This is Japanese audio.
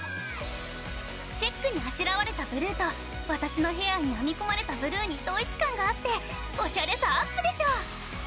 チェックにあしらわれたブルーと私のヘアに編み込まれたブルーに統一感があっておしゃれさアップでしょ！